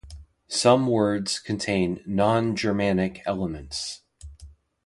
Some words contain non-Germanic elements.